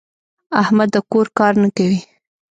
احمد د کور کار نه کوي.